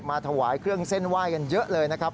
ถวายเครื่องเส้นไหว้กันเยอะเลยนะครับ